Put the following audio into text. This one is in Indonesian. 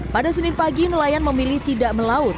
pada senin pagi nelayan memilih tidak melaut